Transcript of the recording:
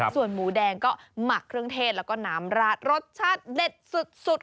ส่วนหมูแดงก็หมักเครื่องเทศแล้วก็น้ำราดรสชาติเด็ดสุด